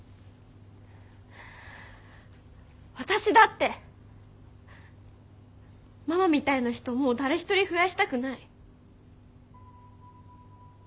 私だってママみたいな人もう誰一人増やしたくない。